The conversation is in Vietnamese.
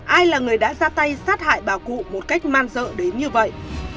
ai là người đã ra tay sát hại bà cụ một cách man dợ đến như vậy